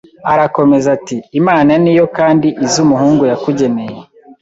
Arakomeza ati "Imana niyo kandi izi umuhungu yakugeneye